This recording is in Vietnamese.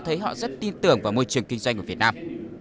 thấy họ rất tin tưởng vào môi trường kinh doanh của việt nam